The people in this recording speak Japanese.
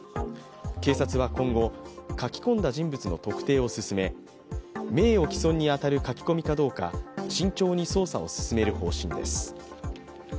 警察は今後、書き込んだ人物の特定を進め、名誉毀損に当たる書き込みかどうか慎重に捜査を進める方針です。